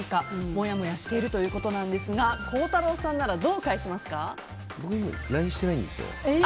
もやもやしているということですが孝太郎さんなら僕、ＬＩＮＥしてないんですよ。